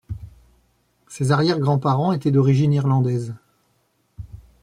Ses arrière-grands-parents étaient d'origine irlandaise.